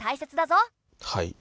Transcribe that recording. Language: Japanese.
はい。